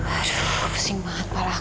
aduh pusing banget kepala aku